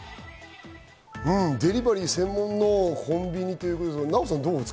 デリバリー専門のコンビニということでナヲさん、どう？